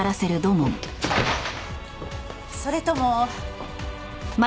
それとも。